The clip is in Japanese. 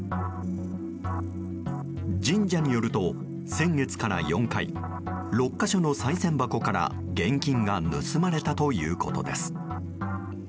神社によると、先月から４回６か所のさい銭箱から現金が盗まれたということです。